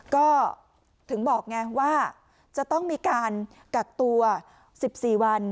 ก็ถึงบอกไงว่าจะต้องมีการกักตัว๑๔วัน